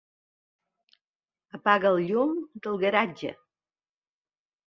Apaga el llum del garatge.